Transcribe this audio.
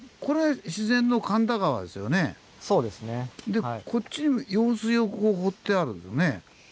でこっちに用水をこう掘ってあるんですよね。